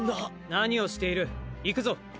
何をしている行くぞ！